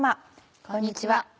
こんにちは。